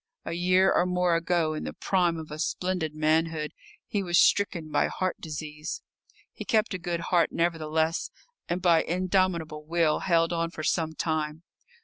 A year or more ago, in the prime of a splendid manhood, he was stricken by heart disease. He kept a good heart, nevertheless, and by indomitable will held on for some time.